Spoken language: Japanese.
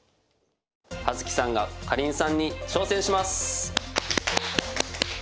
葉月さんがかりんさんに挑戦します！